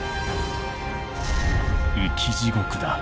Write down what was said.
「生地獄だ」